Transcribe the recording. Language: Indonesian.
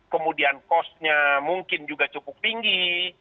kemudian kosnya mungkin juga cukup tinggi